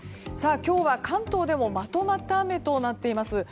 今日は関東でもまとまった雨となっています。